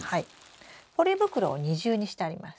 ポリ袋を二重にしてあります。